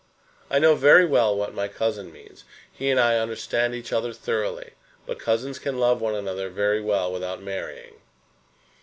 "I know very well what my cousin means. He and I understand each other thoroughly; but cousins can love one another very well without marrying."